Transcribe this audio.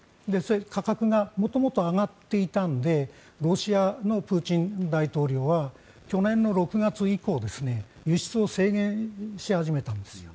価格がもともと上がっていたのでロシアのプーチン大統領は去年の６月以降輸出を制限し始めたんですよ。